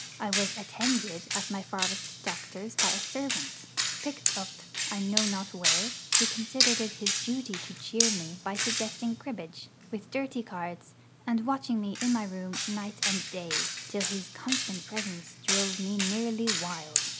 I was 'attended' at my forest doctor's by a servant, picked up I know not where, who considered it his duty to cheer me by suggesting cribbage, with dirty cards, and watching me, in my room, night and day, till his constant presence drove me nearly wild.